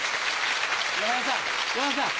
山田さん山田さん。